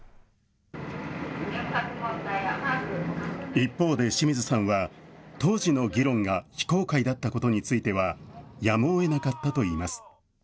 一方で清水さんは、当時の議論が非公開だったことについては、やむをえなかったといいます。